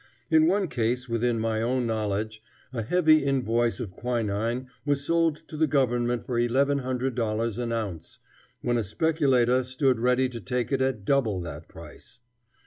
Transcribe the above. In one case within my own knowledge a heavy invoice of quinine was sold to the government for eleven hundred dollars an ounce, when a speculator stood ready to take it at double that price.